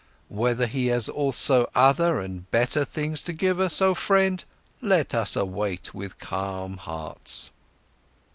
Whether he has also other and better things to give us, oh friend, let us await with calm hearts."